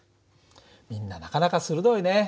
みんななかなか鋭いね。